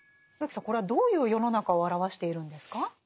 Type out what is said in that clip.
植木さんこれはどういう世の中を表しているんですか？